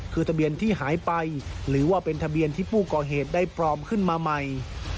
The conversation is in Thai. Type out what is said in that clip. คือทะเบียนที่หายไปหรือว่าเป็นทะเบียนที่ผู้ก่อเหตุได้ปลอมขึ้นมาใหม่